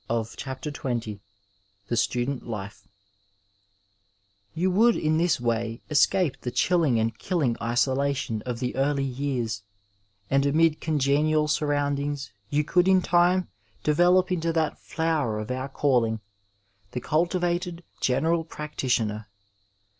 429 Digitized by Google THE STUDENT LIFE Tou would, in this way, escape the chilling and killing isolation of the early years, and amid congenial suiroiindings yon cotdd, in time, develop into that flower of onr calling — the cultivated general practitioner.